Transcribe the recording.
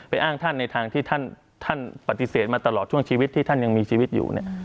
อ้างท่านในทางที่ท่านปฏิเสธมาตลอดช่วงชีวิตที่ท่านยังมีชีวิตอยู่เนี่ย